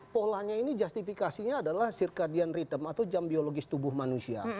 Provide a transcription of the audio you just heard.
polanya ini justifikasinya adalah circadian ritem atau jam biologis tubuh manusia